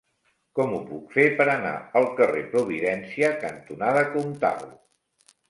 Com ho puc fer per anar al carrer Providència cantonada Comtal?